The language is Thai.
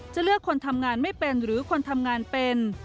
จะเลือกคนทำงานไม่เป็นหรือคนทำงานเป็น